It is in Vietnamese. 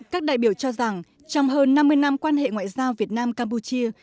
các đại biểu cho rằng trong hơn năm mươi năm quan hệ ngoại giao việt nam campuchia